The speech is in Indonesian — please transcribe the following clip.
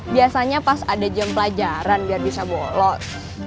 biasanya pas ada jam pelajaran biar bisa bolos